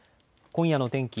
今夜の天気。